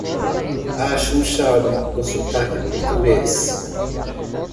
Acho um charme o sotaque português!